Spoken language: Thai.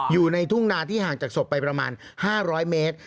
อยู่ในทุ่งนาที่ห่างจากศพไปประมาณ๕๐๐เมตร